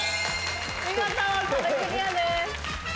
見事壁クリアです。